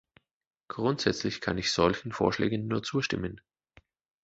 Grundsätzlich kann ich solchen Vorschlägen nur zustimmen.